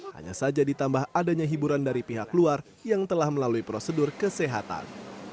hanya saja ditambah adanya hiburan dari pihak luar yang telah melalui prosedur kesehatan